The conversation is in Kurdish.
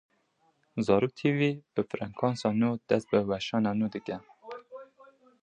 Zarok tv bi frekansa nû dest bi weşana nû dike.